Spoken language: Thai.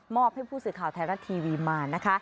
ให้ผู้สื่อข่าวไทยรัฐทีวีมานะคะ